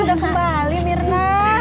udah kembali mirna